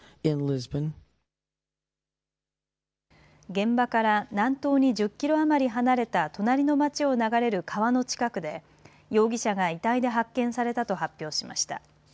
現場から南東に１０キロ余り離れた隣の町を流れる川の近くで容疑者が遺体で発見されたと発表しました。